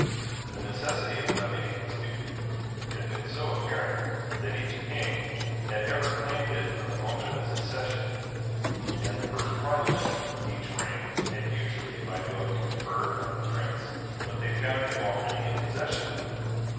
The necessity of levying this duty had been so apparent, that each king had ever claimed it from the moment of his accession; and the first parliament of each reign had usually by vote conferred on the prince what they found him already in possession of.